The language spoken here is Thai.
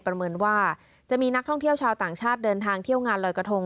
ประเมินว่าจะมีนักท่องเที่ยวชาวต่างชาติเดินทางเที่ยวงานลอยกระทง